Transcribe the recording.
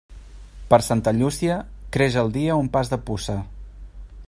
Per Santa Llúcia, creix el dia un pas de puça.